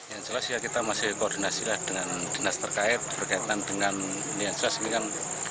yang selesai kita masih koordinasi dengan dinas terkait berkaitan dengan yang selesai ini kan